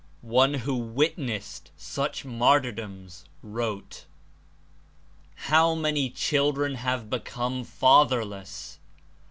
One who witnessed such martyrdoms wrote : "How many children have become fatherless!